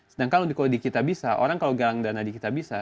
sedangkan kalau di kitabisa orang kalau galang dana di kitabisa